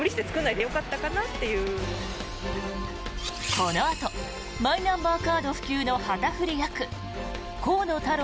このあとマイナンバーカード普及の旗振り役河野太郎